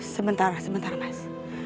sementara sementara mas